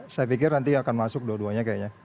saya pikir nanti akan masuk dua duanya kayaknya